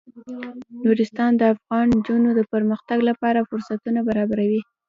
نورستان د افغان نجونو د پرمختګ لپاره فرصتونه برابروي.